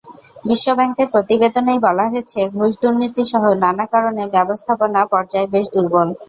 বিশ্বব্যাংকের প্রতিবেদনেই বলা হয়েছে, ঘুষ, দুর্নীতিসহ নানা কারণে ব্যবস্থাপনা পর্যায় বেশ দুর্বল।